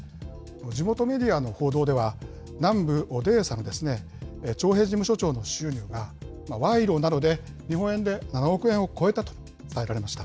地元メディアの報道では、南部オデーサの徴兵事務所長の収入が、賄賂などで日本円で７億円を超えたと話しました。